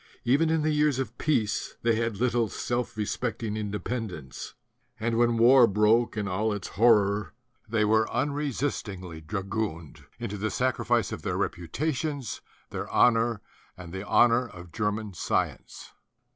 Even in the years of peace they had little self respecting independence; and when war broke in all its horror they were unresist ingly dragooned into the sacrifice of their repu tations, their honor and the honor of German science (191?